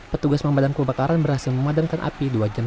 petugas pemadam kebakaran berhasil memadamkan api dua jam